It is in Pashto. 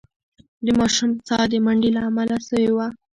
د ماشوم ساه د منډې له امله سوې وه.